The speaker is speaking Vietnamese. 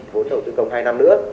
vốn đầu tư công hai năm nữa